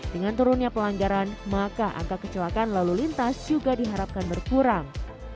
dengan turunnya pelanggaran maka angka kecelakaan lalu lintas juga diharapkan berkurang